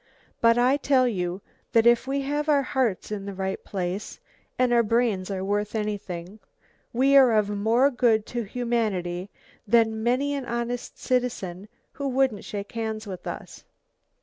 But I tell you that if we have our hearts in the right place, and our brains are worth anything, we are of more good to humanity than many an honest citizen who wouldn't shake hands with us.